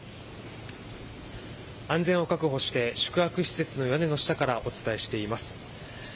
安全を確保して宿泊施設の屋根の下からお伝えしています。